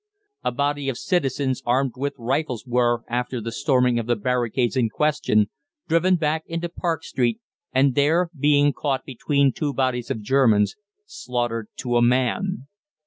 A body of citizens armed with rifles were, after the storming of the barricades in question, driven back into Park Street, and there, being caught between two bodies of Germans, slaughtered to a man.